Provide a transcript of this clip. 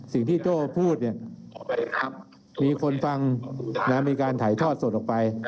สิ่งที่โจ้พูดเนี้ยออกไปครับมีคนฟังแล้วมีการถ่ายทอดสดออกไป